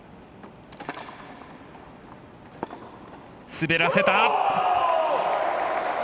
滑らせた！